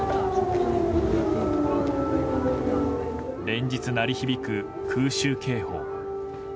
連日鳴り響く空襲警報。